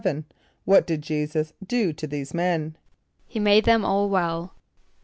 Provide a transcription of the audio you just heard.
= What did J[=e]´[s+]us do to these men? =He made them all well.